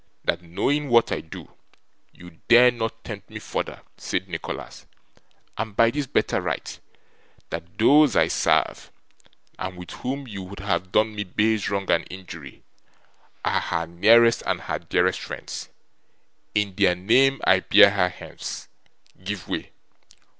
That, knowing what I do, you dare not tempt me further,' said Nicholas, 'and by this better right; that those I serve, and with whom you would have done me base wrong and injury, are her nearest and her dearest friends. In their name I bear her hence. Give way!